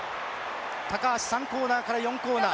高橋３コーナーから４コーナー